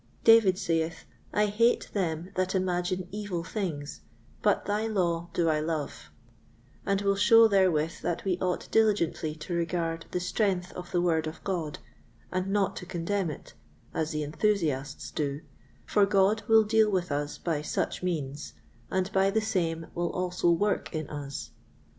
David saith, "I hate them that imagine evil things, but thy law do I love," and will show therewith that we ought diligently to regard the strength of the Word of God, and not to contemn it, as the enthusiasts do, for God will deal with us by such means, and by the same will also work in us.